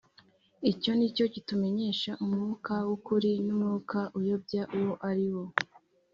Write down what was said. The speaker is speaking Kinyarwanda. Icyo ni cyo kitumenyesha umwuka w’ukuri n’umwuka uyobya uwo ari wo.